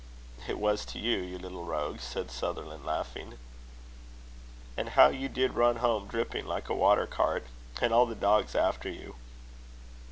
"It was to you, you little rogue!" said Sutherland, laughing. "And how you did run home, dripping like a water cart! and all the dogs after you!"